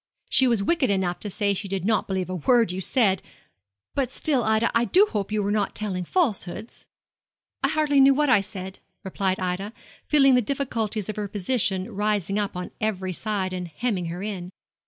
She was wicked enough to say she did not believe a word you said; but still, Ida, I do hope you were not telling falsehoods.' 'I hardly knew what I said,' replied Ida, feeling the difficulties of her position rising up on every side and hemming her in.